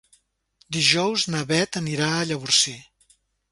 Dijous na Beth anirà a Llavorsí.